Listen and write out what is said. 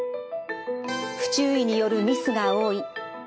不注意によるミスが多い。